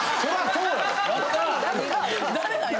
そうや！